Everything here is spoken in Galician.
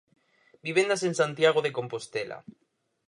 Vivendas en Santiago de Compostela.